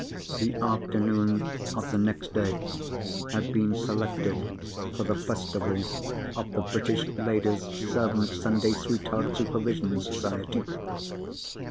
The afternoon of the next day had been selected for the Festival of the British Ladies' Servants' Sunday Sweetheart Supervision Society.